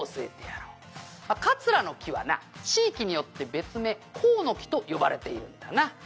「桂の木はな地域によって別名香の木と呼ばれているんだな」